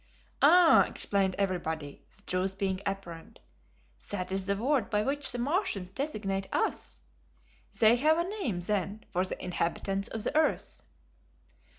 "Ah," explained everybody, the truth being apparent, "that is the word by which the Martians designate us. They have a name, then, for the inhabitants of the earth."